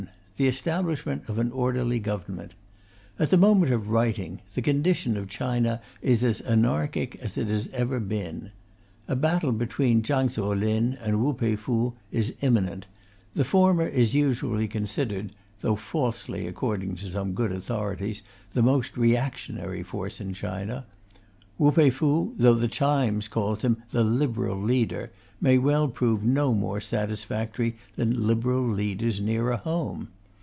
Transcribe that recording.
The establishment of an orderly government. At the moment of writing, the condition of China is as anarchic as it has ever been. A battle between Chang tso lin and Wu Pei Fu is imminent; the former is usually considered, though falsely according to some good authorities, the most reactionary force in China; Wu Pei Fu, though The Times calls him "the Liberal leader," may well prove no more satisfactory than "Liberal" leaders nearer home.